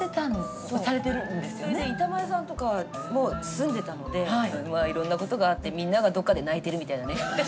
それで板前さんとかも住んでたのでいろんなことがあってみんながどっかで泣いてるみたいなね。